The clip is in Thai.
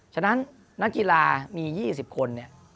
ฉะนั้นนักกีฬามี๒๐คน